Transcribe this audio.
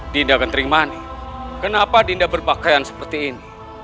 dinda keteringmani kenapa dinda berpakaian seperti ini